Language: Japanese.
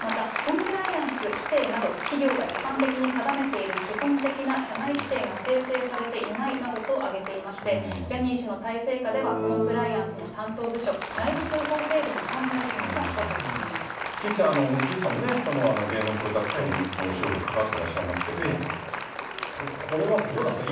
またコンプライアンス規定など企業が一般的に定めている基本的な社内規定が制定されてないなどと挙げていまして、ジャニー氏の体制下では、コンプライアンスの担当部署、内部通報制度も存在しな岸さん、岸さんもね、芸能プロダクションのお仕事関わってらっしゃいますけど、これはどうなんですか？